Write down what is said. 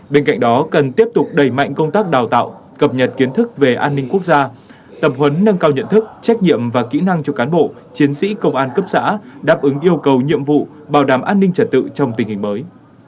bên cạnh đó cần tiếp tục đẩy mạnh công tác đào tạo cập nhật kiến thức về an ninh quốc gia tập huấn nâng cao nhận thức trách nhiệm và kỹ năng cho cán bộ chiến sĩ công an cấp xã đáp ứng yêu cầu nhiệm vụ bảo đảm an ninh trật tự trong tình hình mới